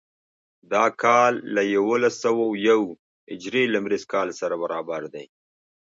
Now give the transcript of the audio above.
دا کال له یوولس سوه یو هجري لمریز کال سره برابر دی.